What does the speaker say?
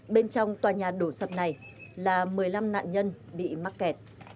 bên trong tòa nhà đổ sập này là một mươi năm nạn nhân bị mắc kẹt